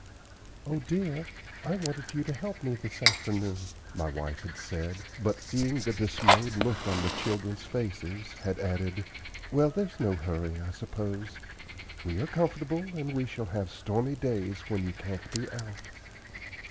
"Oh, dear, I wanted you to help me this afternoon," my wife had said, but, seeing the dismayed look on the children's faces, had added, "Well, there's no hurry, I suppose. We are comfortable, and we shall have stormy days when you can't be out."